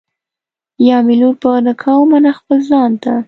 یا مي لور په نکاح ومنه خپل ځان ته